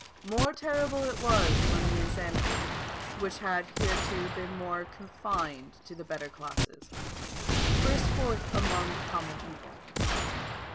More terrible it was when the insanity, which had hitherto been more confined to the better classes, burst forth among the common people.